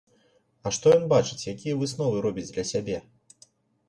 А што ён бачыць, якія высновы робіць для сябе?